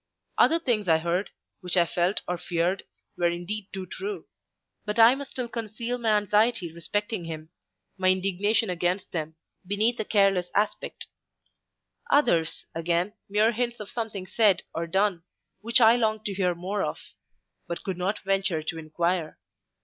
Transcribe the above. Other things I heard, which I felt or feared were indeed too true: but I must still conceal my anxiety respecting him, my indignation against them, beneath a careless aspect; others, again, mere hints of something said or done, which I longed to hear more of, but could not venture to inquire.